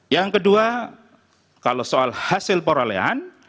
yang kedua kalau soal hasil perolehan